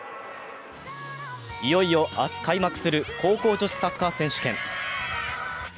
いよいよ明日開幕する高校女子サッカー選手権。